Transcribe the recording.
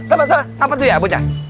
sama sama apa tuh ya bocah